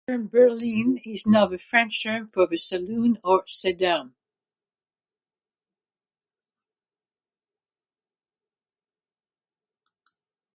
The term "berline" is now the French term for the saloon or sedan.